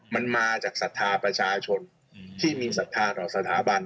มันมาจากศรัทธาประชาชนที่มีศรัทธาต่อสถาบัน